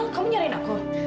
ya mil kamu nyalain aku